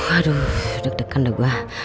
aduh deg deg kan dah gua